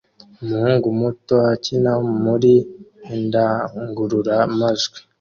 umuhungu muto akina muri indangurura majwi